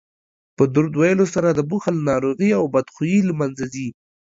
په درود ویلو سره د بخل ناروغي او بدخويي له منځه ځي